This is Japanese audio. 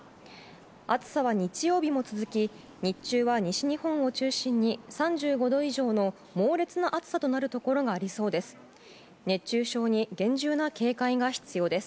暑さは日曜日も続き日中は西日本を中心に３５度以上の猛烈な暑さとなるところがありそうです。